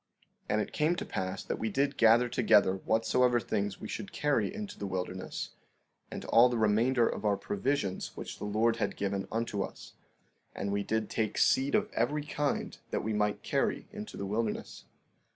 16:11 And it came to pass that we did gather together whatsoever things we should carry into the wilderness, and all the remainder of our provisions which the Lord had given unto us; and we did take seed of every kind that we might carry into the wilderness.